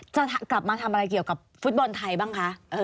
จะกลับมาทำอะไรเกี่ยวกับฟุตบอลไทยบ้างคะ